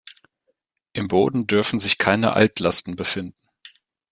Im Boden dürfen sich keine Altlasten befinden.